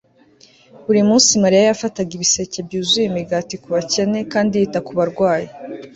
buri munsi mariya yafataga ibiseke byuzuye imigati kubakene kandi yita ku barwayi